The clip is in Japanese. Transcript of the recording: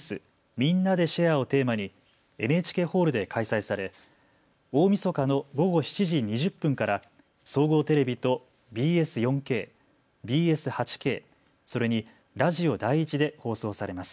みんなでシェア！をテーマにＮＨＫホールで開催され、大みそかの午後７時２０分から総合テレビとＢＳ４Ｋ、ＢＳ８Ｋ、それにラジオ第１で放送されます。